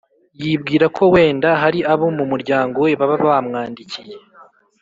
yibwira ko wenda hari abo mu muryango we baba bamwandikiye